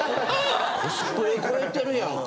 コスプレ超えてるやんか。